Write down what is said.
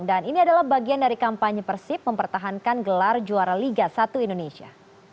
dan ini adalah bagian dari kampanye persib mempertahankan gelar juara liga satu indonesia